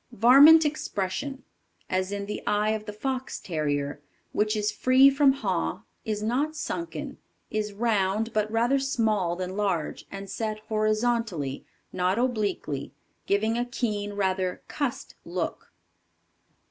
Varmint Expression. As in the eye of the Fox Terrier, which is free from Haw, is not Sunken, is round but rather small than large, and set horizontally, not obliquely, giving a keen, rather "cussed" look.